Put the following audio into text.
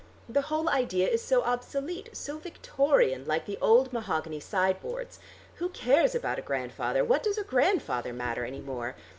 The whole idea is so obsolete, so Victorian, like the old mahogany sideboards. Who cares about a grandfather? What does a grandfather matter any more?